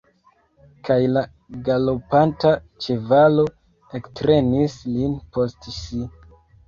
Kaj la galopanta ĉevalo ektrenis lin post si.